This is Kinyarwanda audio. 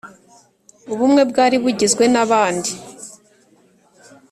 Ubumwe bwari bugizwe na bande?